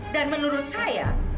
dan menurut saya